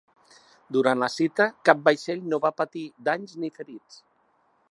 Durant la cita, cap vaixell no va patir danys ni ferits.